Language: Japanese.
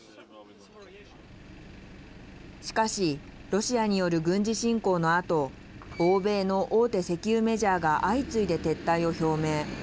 しかしロシアによる軍事侵攻のあと欧米の大手石油メジャーが相次いで撤退を表明。